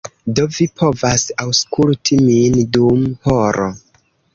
Do, vi povas aŭskulti min dum horo.